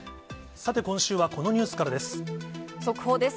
さて今週はこのニュースから速報です。